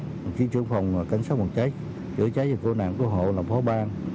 đồng chí trưởng phòng cảnh sát nguồn cháy giữa cháy và cô nạn cố hộ làm phó ban